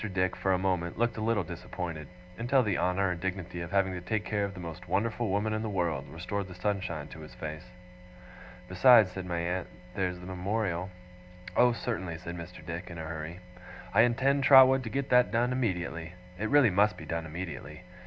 Dick, for a moment, looked a little disappointed; until the honour and dignity of having to take care of the most wonderful woman in the world, restored the sunshine to his face. 'Besides,' said my aunt, 'there's the Memorial ' 'Oh, certainly,' said Mr. Dick, in a hurry, 'I intend, Trotwood, to get that done immediately it really must be done immediately!